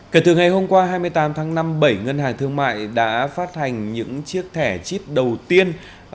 kể từ ngày hôm qua hai mươi tám tháng năm bảy ngân hàng thương mại đã phát hành những chiếc thẻ chip đầu tiên